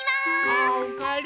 ああおかえり。